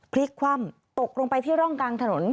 พลิกคว่ำตกลงไปที่ร่องกลางถนน